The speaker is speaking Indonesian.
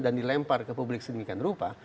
dan dilempar ke publik sedemikian rupa